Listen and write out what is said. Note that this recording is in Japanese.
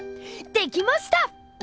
できました！